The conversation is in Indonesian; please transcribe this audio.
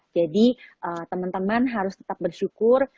teman teman harus tetap bersyukur